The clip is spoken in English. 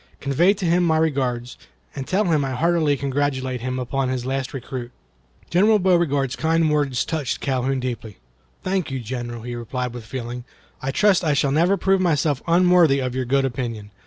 Convey to him my regards, and tell him I heartily congratulate him upon his last recruit." General Beauregard's kind words touched Calhoun deeply. "Thank you, General," he replied, with feeling. "I trust I shall never prove myself unworthy of your good opinion.